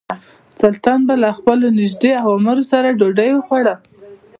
سلطان به له خپلو نژدې امراوو سره ډوډۍ خوړه.